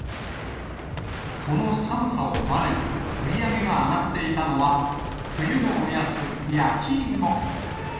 この寒さをばねに、売り上げが上がっていたのは、冬のおやつ、焼き芋。